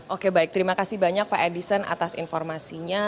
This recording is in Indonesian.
oke baik terima kasih banyak pak edison atas informasinya